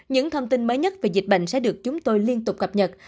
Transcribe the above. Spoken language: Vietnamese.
những thông tin mới nhất về dịch bệnh sẽ được chúng tôi liên tục cập nhật